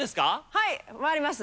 はい、回ります。